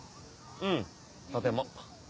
うんとても。